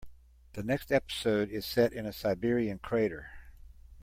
The next episode is set in a Siberian crater.